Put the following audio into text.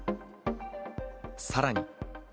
さらに。